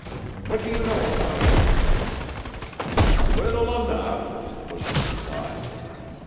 What do you know about him?" "Little enough," was the reply.